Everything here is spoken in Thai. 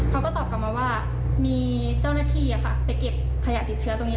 เขาก็ตอบกลับมาว่ามีเจ้าหน้าที่ไปเก็บขยะติดเชื้อตรงนี้